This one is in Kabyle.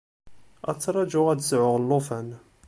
Ad ttraǧuɣ ad sɛuɣ llufan.